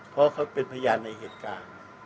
เพราะเขาเป็นพยานในเหตุการณ์